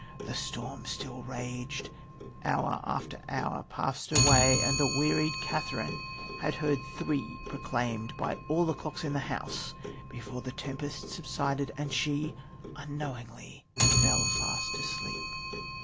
The storm still raged... Hour after hour passed away, and the wearied Catherine had heard three proclaimed by all the clocks in the house before the tempest subsided, and she, unknowingly, fell fast asleep.